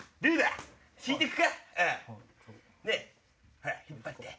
ほら引っ張って。